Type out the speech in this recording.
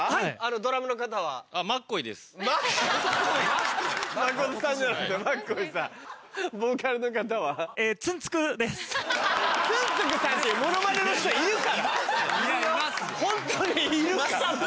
ドラムの方は？いるよ！